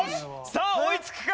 さあ追いつくか？